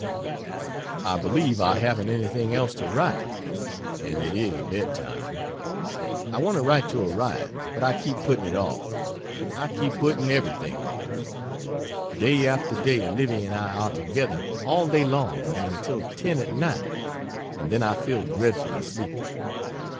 I believe I haven't anything else to write, and it is bed time. I want to write to Orion, but I keep putting it off I keep putting everything off. Day after day Livy and I are together all day long and until 10 at night, and then I feel dreadfully sleepy.